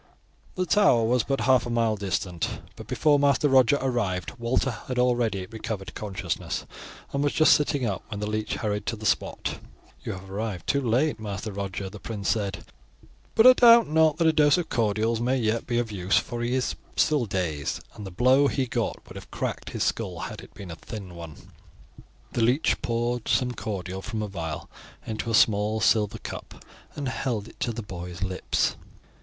The Tower was but half a mile distant, but before Master Roger arrived Walter had already recovered consciousness, and was just sitting up when the leech hurried up to the spot. "You have arrived too late, Master Roger," the prince said; "but I doubt not that a dose of cordials may yet be of use, for he is still dazed, and the blow he got would have cracked his skull had it been a thin one." The leech poured some cordial from a vial into a small silver cup and held it to the boy's lips.